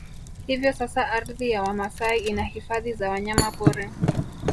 Hivyo sasa ardhi ya Wamasai ina hifadhi za wanyama pori